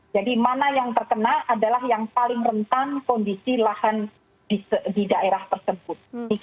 jadi mana yang terkena adalah yang paling rentan kondisi lahan di daerah tersebut